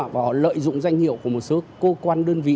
và họ lợi dụng danh hiệu của một số cơ quan đơn vị